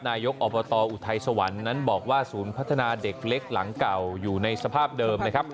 นายกอบตอุทัยสวรรค์นั้นบอกว่าศูนย์พัฒนาเด็กเล็กหลังเก่าอยู่ในสภาพเดิมนะครับ